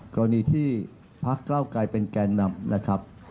กรณีที่ภักดิ์กล้าวกลายเป็นแก่นำนะครับ